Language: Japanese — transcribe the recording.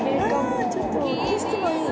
ああちょっと景色もいい。